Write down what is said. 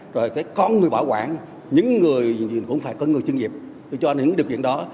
rồi cái con người bảo quản những người cũng phải có người chân dịp cho những điều kiện đó